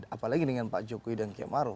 apalagi dengan pak jokowi dan kiamaru